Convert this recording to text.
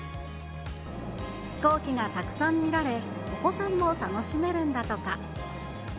飛行機がたくさん見られ、お子さんも楽しめるんだとか。